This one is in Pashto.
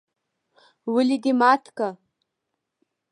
ولې دي مات که؟؟